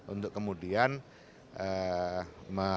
untuk kemudian melaksanakan